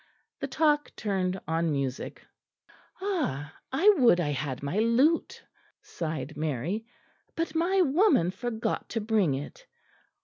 The talk turned on music. "Ah! I would I had my lute," sighed Mary, "but my woman forgot to bring it.